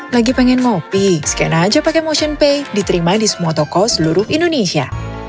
lagi pengen ngopi sekena aja pake motionpay diterima di semua toko seluruh indonesia